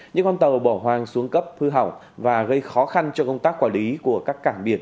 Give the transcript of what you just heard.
những con tàu bỏ hoang xuống cấp hư hỏng và gây khó khăn cho công tác quản lý của các cảng biển